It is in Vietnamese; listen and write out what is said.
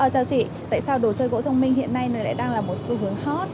chị tại sao đồ chơi gỗ thông minh hiện nay lại đang là một xu hướng hot